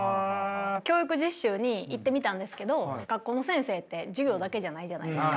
教育実習に行ってみたんですけど学校の先生って授業だけじゃないじゃないですか。